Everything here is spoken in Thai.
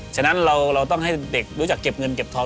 ฉะนั้นเราต้องให้เด็กรู้จักเก็บเงินเก็บทอง